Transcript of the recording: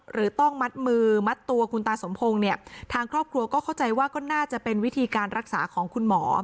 หรือต้องมัดมือมัดตัวคุณตาสมพงศ์เนี่ยทางครอบครัวก็เข้าใจว่าก็น่าจะเป็นวิธีการรักษาของคุณหมอ